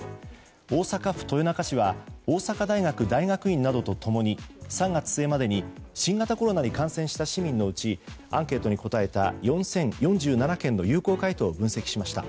大阪府豊中市は大阪大学の大学院などと共に３月末までに新型コロナに感染した市民のうちアンケートに回答した４０４７件の有効回答を分析しました。